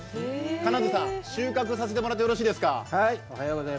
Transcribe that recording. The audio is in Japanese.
金津さん、収穫させてもらってよろしいですか？